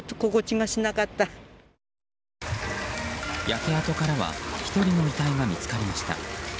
焼け跡からは１人の遺体が見つかりました。